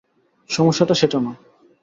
সমস্যাটা সেটা না!